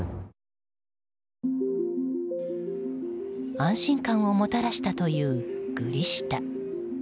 安心感をもたらしたというグリ下。